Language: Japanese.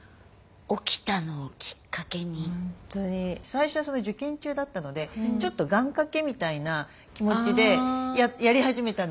最初は受験中だったのでちょっと願かけみたいな気持ちでやり始めたんですよ。